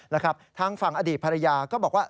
แล้วทางฝั่งอดีตภรรยาก็บอกว่า